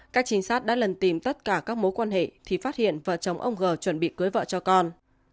các trinh sát đã lần tìm tất cả các mối quan hệ thì phát hiện vợ chồng ông g chuẩn bị cưới vợ cho con